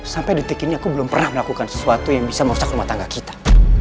sampai detik ini aku belum pernah melakukan sesuatu yang bisa merusak rumah tangga kita